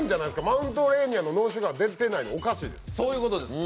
マウントレーニアのノンシュガー、出てないのおかしいです。